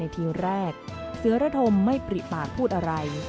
ทีแรกเสือระธมไม่ปริปากพูดอะไร